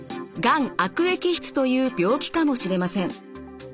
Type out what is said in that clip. がん悪液質という病気かもしれません。